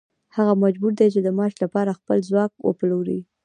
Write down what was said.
هغه مجبور دی چې د معاش لپاره خپل ځواک وپلوري